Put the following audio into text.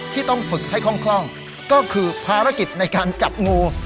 ที่ต้องฝึกให้คล่องก็คือภารกิจในการจับงู